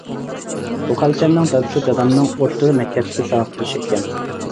بۇخەلچەمنىڭ دادىسى-دادامنىڭ ئوتتۇرا مەكتەپتىكى ساۋاقدىشى ئىكەن.